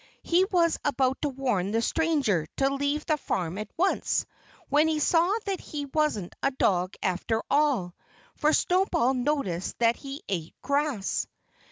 He was about to warn the stranger to leave the farm at once, when he saw that he wasn't a dog after all. For Snowball noticed that he ate grass.